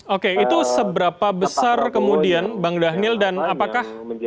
oke itu seberapa besar kemudian bang dhanil dan apakah